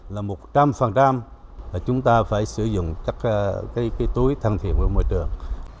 là một trăm linh chúng ta phải sử dụng các túi thân thiện của môi trường